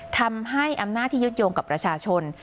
ทำให้อำนาจที่ยึดโยงกับประชาชน